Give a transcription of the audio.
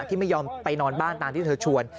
ที่ไม่ยอมไปนอนบ้านตามที่เธอชวน